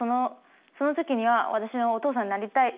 その時には私のお父さんになりたい。